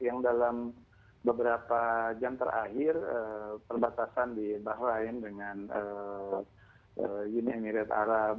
yang dalam beberapa jam terakhir perbatasan di bahrain dengan uni emirat arab